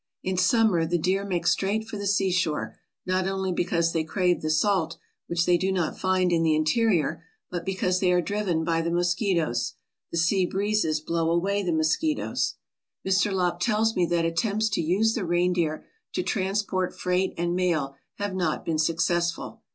In summer the deer make straight for the seashore, not only because they crave the salt, which they do not find in the interior, but because they are driven by the mosqui toes. The sea breezes blow away the mosquitoes. 210 REINDEER MEAT FOR AMERICAN MARKETS Mr. Lopp tells me that attempts to use the reindeer to transport freight and mail have not been successful.